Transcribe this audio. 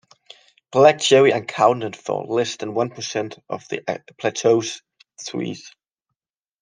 Black cherry accounted for less than one percent of the plateau's trees.